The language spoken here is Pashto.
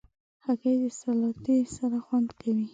هګۍ د سلاتې سره خوند کوي.